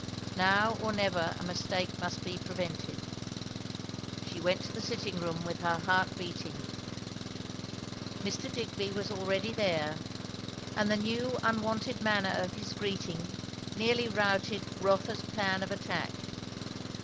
Now or never a mistake must be prevented. She went to the sitting room with her heart beating. Mr. Digby was already there, and the new, unwonted manner of his greeting nearly routed Rotha's plan of attack.